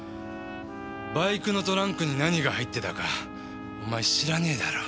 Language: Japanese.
バイクのトランクに何が入ってたかお前知らねえだろ？